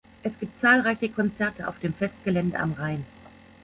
Es gibt zahlreiche Konzerte auf dem Festgelände am Rhein.